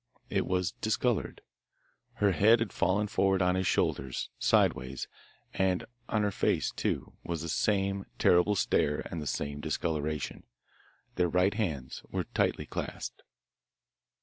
It was discoloured. Her head had fallen forward on his shoulder, sideways, and on her face, too, was the same terrible stare and the same discolouration. Their right hands were tightly clasped.